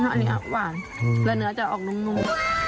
อันนี้หวานแล้วเนื้อจะออกนุ่ม